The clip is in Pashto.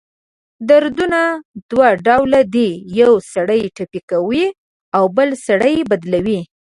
دردونه دوه ډؤله دی: یؤ سړی ټپي کوي اؤ بل سړی بدلؤي.